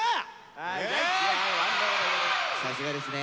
さすがですね。